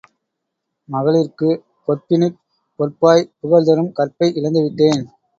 மகளிர்க்குப் பொற்பினுட் பொற்பாய், புகழ்தரும் கற்பை இழந்துவிட்டேன்.